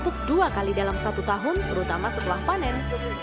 untuk dua kali dalam satu tahun terutama setelah panen